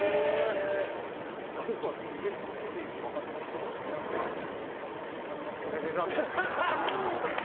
僕はその売れ続けていく若手の人を見ながら俺はいつまで経っても売れねえなって。